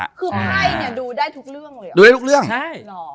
คือใครเนี่ยดูได้ทุกเรื่องเหรอ